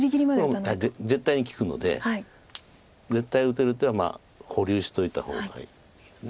絶対に利くので絶対打てる手は保留しといた方がいいです